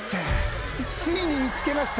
ついに見つけましたね。